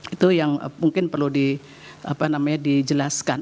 itu yang mungkin perlu dijelaskan